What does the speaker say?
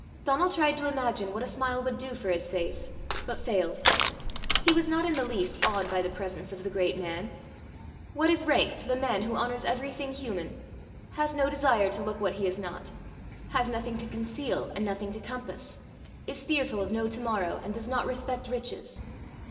Donal tried to imagine what a smile would do for his face, but failed. He was not in the least awed by the presence of the great man. What is rank to the man who honours everything human, has no desire to look what he is not, has nothing to conceal and nothing to compass, is fearful of no to morrow, and does not respect riches!